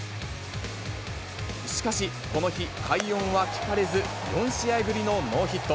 しかし、この日、快音は聞かれず、４試合ぶりのノーヒット。